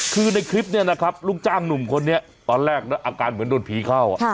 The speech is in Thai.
คือในคลิปเนี่ยนะครับลูกจ้างหนุ่มคนนี้ตอนแรกอาการเหมือนโดนผีเข้า